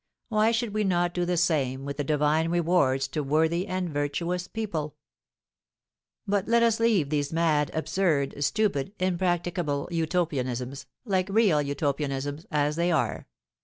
Why should we not do the same with the divine rewards to worthy and virtuous people? But let us leave these mad, absurd, stupid, impracticable utopianisms, like real utopianisms, as they are.